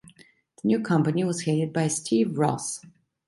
The new company was headed by Steve Ross.